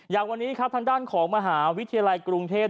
อย่างวันนี้ครับทางด้านของมหาวิทยาลัยกรุงเทพ